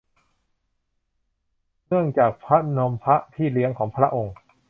เนื่องจากพระนมพระพี่เลี้ยงของพระองค์